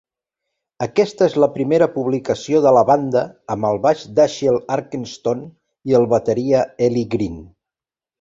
Aquesta és la primera publicació de la banda amb el baix Dashiell Arkenstone i el bateria Eli Green.